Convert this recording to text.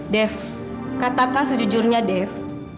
dev katakan sejujurnya dev